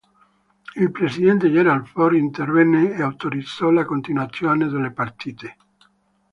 Il Presidente Gerald Ford intervenne e autorizzò la continuazione delle partite.